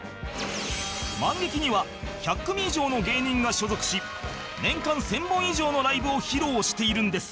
マンゲキには１００組以上の芸人が所属し年間１０００本以上のライブを披露しているんです